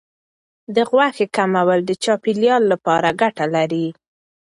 د غوښې کمول د چاپیریال لپاره ګټه لري.